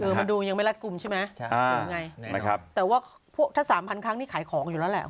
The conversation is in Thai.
มันดูยังไม่รัดกลุ่มใช่ไหมนะครับแต่ว่าถ้าสามพันครั้งนี่ขายของอยู่แล้วแหละ